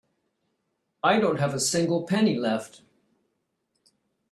I don't have a single penny left.